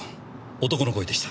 男の声でした。